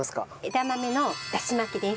枝豆のだし巻きです。